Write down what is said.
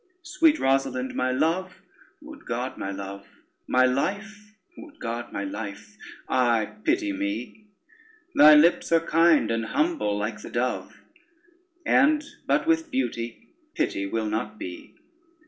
Sweet Rosalynde, my love (would God, my love) My life (would God, my life) aye, pity me! Thy lips are kind, and humble like the dove, And but with beauty, pity will not be.